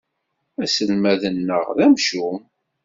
Aselmad-nneɣ d amcum.